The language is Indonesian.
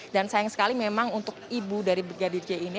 dan sayang sekali memang untuk ibu dari brigadir j ini